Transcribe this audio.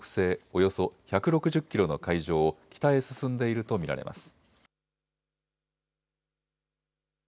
およそ１６０キロの海上を北へ進んでいると見られます。